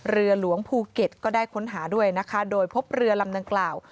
เรือหลวงภูเก็ตก็ได้ค้นหาด้วยนะคะโดยพบเรือลำดังกล่าว